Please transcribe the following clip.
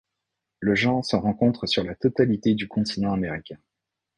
Le genre se rencontre sur la totalité du continent américain.